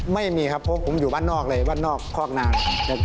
ไม่มีครับเพราะผมอยู่บ้านนอกเลยบ้านนอกคอกนาง